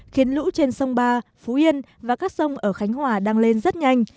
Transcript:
khiến lũ trên sông ba phú yên và các sông ở khánh hòa đang lên rất nhanh